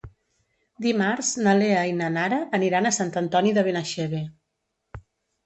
Dimarts na Lea i na Nara aniran a Sant Antoni de Benaixeve.